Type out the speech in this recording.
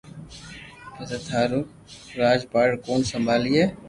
پسو ٿارو راج پاٺ ڪوڻ سمڀالئي